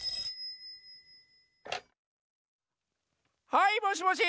☎はいもしもし？